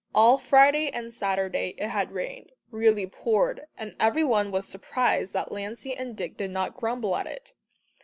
All Friday and Saturday it had rained really poured and every one was surprised that Lancey and Dick did not grumble at it.